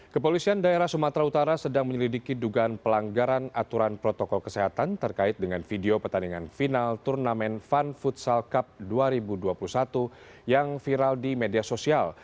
kepolisian daerah sumatera utara sedang menyelidiki dugaan pelanggaran aturan protokol kesehatan terkait dengan video pertandingan final turnamen fun futsal cup dua ribu dua puluh satu yang viral di media sosial